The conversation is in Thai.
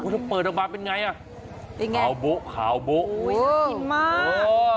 ถ้าเปิดออกมาเป็นไงอ่ะเป็นไงขาวโบ๊ะขาวโบ๊ะอุ้ยน่ากินมากเออ